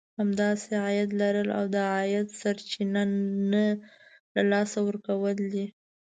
همداسې عايد لرل او د عايد سرچينه نه له لاسه ورکول دي.